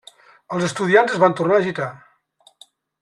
Els estudiants es van tornar a agitar.